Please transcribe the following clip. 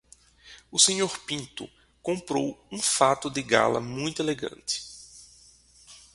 O Sr. Pinto comprou um fato de gala muito elegante.